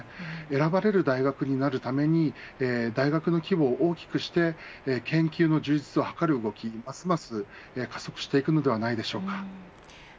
選ばれる大学になるために大学の規模を大きくして研究の充実を図る動きがますます加速していくのではないでしょうか。